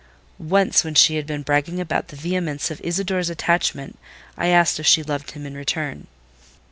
Once, when she had been bragging about the vehemence of "Isidore's" attachment, I asked if she loved him in return.